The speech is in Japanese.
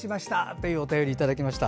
というお便りをいただきました。